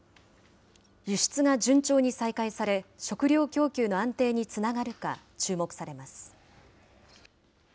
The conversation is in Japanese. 輸出が順調に再開され、食料供給の安定につながるか注目されます。